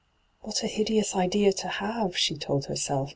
' What a hideous idea to have I' she told herself.